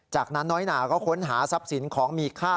จากนั้นน้อยหนาก็ค้นหาทรัพย์สินของมีค่า